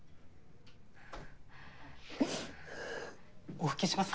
お拭きします。